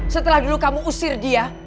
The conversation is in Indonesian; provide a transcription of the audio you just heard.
setelah dulu kamu usir dia